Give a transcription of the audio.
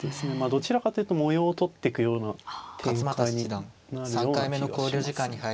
どちらかというと模様を取ってくような展開になるような気がします。